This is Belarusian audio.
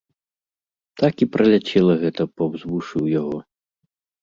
Так і праляцела гэта паўз вушы ў яго.